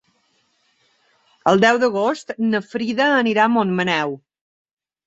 El deu d'agost na Frida anirà a Montmaneu.